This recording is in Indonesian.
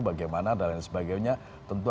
bagaimana dan lain sebagainya tentu